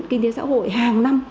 kinh tế xã hội hàng năm